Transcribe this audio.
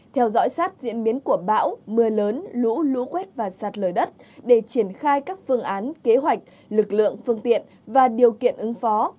theo dõi sát diễn biến của bão mưa lớn lũ lũ quét và sạt lở đất để triển khai các phương án kế hoạch lực lượng phương tiện và điều kiện ứng phó